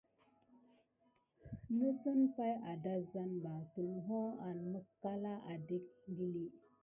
Nəsəŋ pay adazaneba tulho an mikalà adéke ékili.